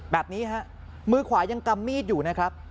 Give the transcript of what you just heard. แบบนี้ฮะมือขวายังกำมีดอยู่นะครับ